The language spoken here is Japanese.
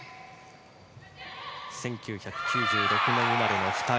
１９９６年生まれの２人。